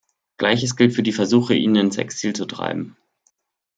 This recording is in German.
Gleiches gilt für die Versuche, ihn ins Exil zu treiben.